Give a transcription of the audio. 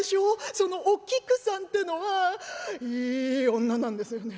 そのお菊さんてのはいい女なんですよね」。